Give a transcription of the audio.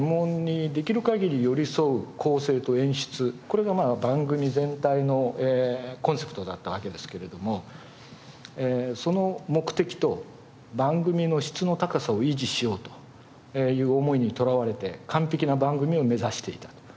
これが番組全体のコンセプトだったわけですけれどもその目的と番組の質の高さを維持しようという思いにとらわれて完璧な番組を目指していたと。